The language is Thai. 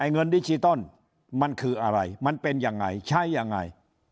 เงินดิจิตอลมันคืออะไรมันเป็นยังไงใช้ยังไง